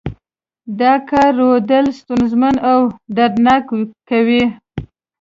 دا کار رودل ستونزمن او دردناک کوي.